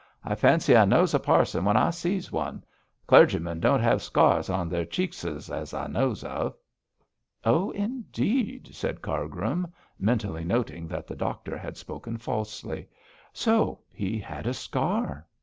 I fancy I knows a parson when I sees one. Clergymen don't have scars on their cheekses as I knows of.' 'Oh, indeed!' said Cargrim, mentally noting that the doctor had spoken falsely. 'So he had a scar?'